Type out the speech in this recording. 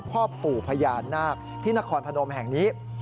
พ่อปู่พญานาคที่นครพนมแห่งนี้